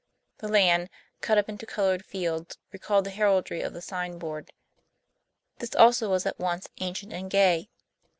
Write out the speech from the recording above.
The land, cut up into colored fields, recalled the heraldry of the signboard; this also was at once ancient and gay.